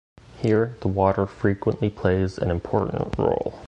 Here, the water frequently plays an important role.